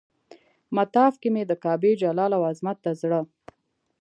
مطاف کې مې د کعبې جلال او عظمت ته زړه.